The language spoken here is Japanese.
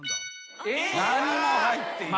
何も入っていない。